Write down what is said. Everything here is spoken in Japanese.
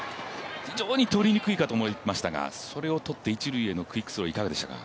非常にとりにくいかと思いましたが、それをとっての一塁のクイックスはいかがでしたか？